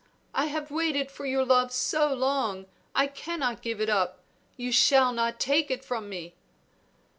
I have waited for your love so long I cannot give it up; you shall not take it from me!"